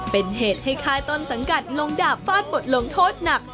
เป็นเหตุให้ค่ายต้นสังกัดลงดาบฟาดบทลงโทษหนัก